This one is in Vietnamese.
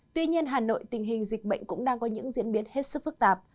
tuy nhiên hà nội tình hình dịch bệnh cũng đang có những diễn biến hết sức phức tạp